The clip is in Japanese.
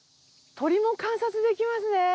鳥も観察できますね。